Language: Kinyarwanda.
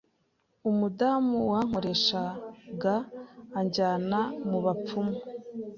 umudamu wankoreshaga anjyana mu bapfumu